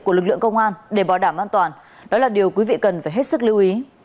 của lực lượng công an để bảo đảm an toàn đó là điều quý vị cần phải hết sức lưu ý